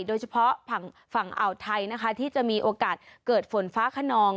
โดยเฉพาะฝั่งอ่าวไทยนะคะที่จะมีโอกาสเกิดฝนฟ้าขนอง